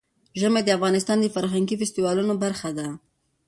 ژمی د افغانستان د فرهنګي فستیوالونو برخه ده.